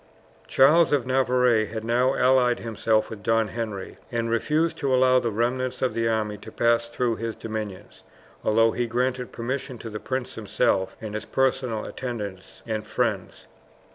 Charles of Navarre had now allied himself with Don Henry, and refused to allow the remnants of the army to pass through his dominions, although he granted permission to the prince himself and his personal attendants and friends.